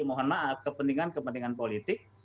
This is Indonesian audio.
mohon maaf kepentingan kepentingan politik